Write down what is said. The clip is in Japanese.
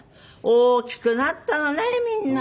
大きくなったのねみんな。